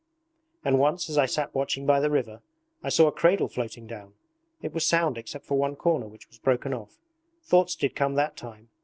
And once as I sat watching by the river I saw a cradle floating down. It was sound except for one corner which was broken off. Thoughts did come that time!